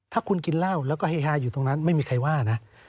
ถ้าคุณกินเหล้าแล้วก็เฮฮาอยู่ตรงนั้นไม่มีใครว่านะ